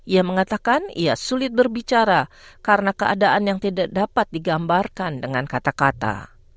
ia mengatakan ia sulit berbicara karena keadaan yang tidak dapat digambarkan dengan kata kata